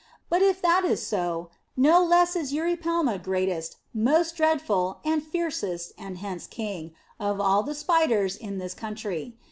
But if that is so, no less is Eurypelma greatest, most dreadful, and fiercest, and hence king, of all the spiders in this country.